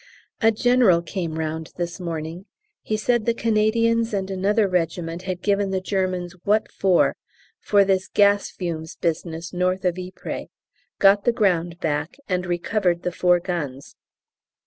A General came round this morning. He said the Canadians and another regiment had given the Germans what for for this gas fumes business north of Ypres, got the ground back and recovered the four guns.